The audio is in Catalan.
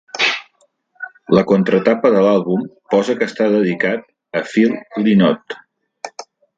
La contratapa de l'àlbum posa que està dedicat a Phil Lynott.